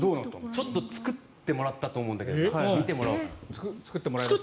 ちょっと作ってもらったと思うんだけど見てもらおうかな。